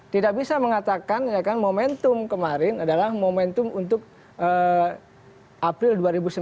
tidak bisa mengatakan momentum kemarin adalah momentum untuk april dua ribu sembilan belas